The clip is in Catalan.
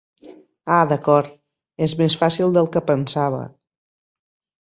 Ah d'acord, és més fàcil del que pensava.